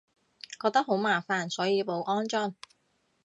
覺得好麻煩，所以冇安裝